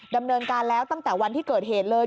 ดำเนินการแล้วตั้งแต่วันที่เกิดเหตุเลย